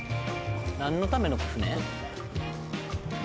なんのための船？